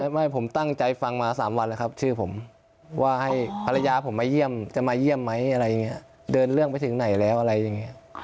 ไม่ผมตั้งใจฟังมา๓วันแล้วครับชื่อผมว่าให้ภรรยาผมมาเยี่ยมจะมาเยี่ยมไหมอะไรอย่างนี้เดินเรื่องไปถึงไหนแล้วอะไรอย่างนี้